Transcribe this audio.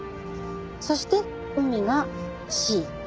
そして「海」が「シー」。